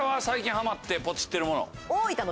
最近ハマってポチってるもの。